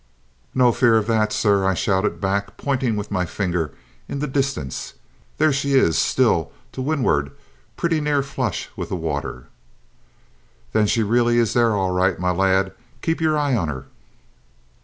"No fear of that, sir," I shouted back, pointing with my finger in the distance. "There she is, still to win'ard, pretty nearly flush with the water." "Then she really is there all right, my lad. Keep your eye on her."